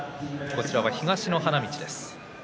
東の花道です。